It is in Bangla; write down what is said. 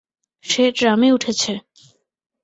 সে ট্রামে উঠেছে!